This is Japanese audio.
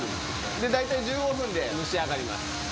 で、大体１５分で蒸し上がります。